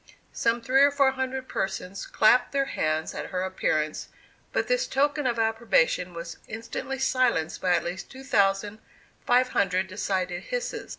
Some three or four hundred persons clapped their hands at her appearance, but this token of approbation was instantly silenced by at least two thousand five hundred decided hisses.